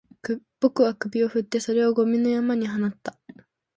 僕は首を振って、それをゴミの山に放った